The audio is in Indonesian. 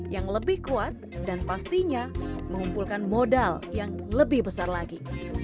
yang lebih kuat dan pastinya mengumpulkan modal yang lebih besar lagi